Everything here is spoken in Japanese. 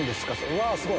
うわ！